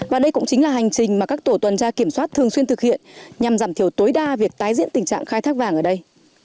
và đây cũng chính là hành trình mà các tổ tuần tra kiểm soát thường xuyên thực hiện nhằm giảm thiểu tối đa việc tái diễn tình trạng khai thác vàng ở đây